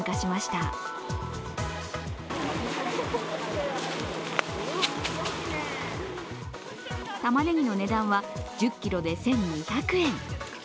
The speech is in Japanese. たまねぎの値段は１０ｋｇで１２００円。